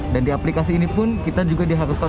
dan di aplikasi ini pun kita juga diharuskan